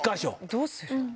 どうする？